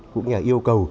cũng như là yêu cầu